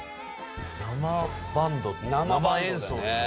生バンド生演奏でしょ。